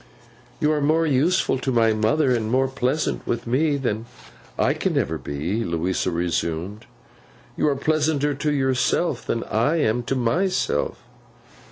'You are more useful to my mother, and more pleasant with her than I can ever be,' Louisa resumed. 'You are pleasanter to yourself, than I am to _my_self.